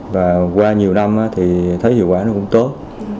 và qua nhiều năm thì thấy hiệu quả nó cũng tốt